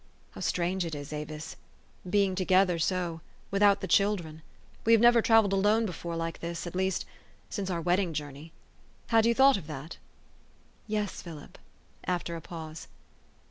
' How strange it is, Avis being together so THE STORY OF AVIS. 403 without the children. We have never travelled alone before, like this, at least, since our wedding journey. Had you thought of that? "" Yes, Philip," after a pause.